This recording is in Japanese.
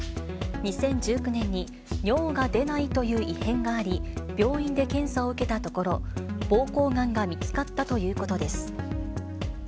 ２０１９年に尿が出ないという異変があり、病院で検査を受けたところ、ぼうこうがんが見つかったということです。